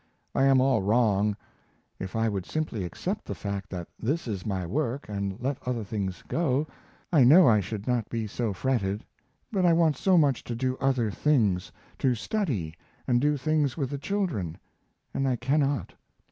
I am all wrong; if I would simply accept the fact that this is my work and let other things go, I know I should not be so fretted; but I want so much to do other things, to study and do things with the children, and I cannot.